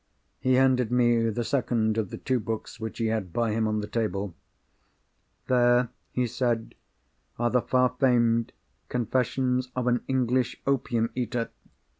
He handed me the second of the two books which he had by him on the table. "There," he said, "are the far famed Confessions of an English Opium Eater!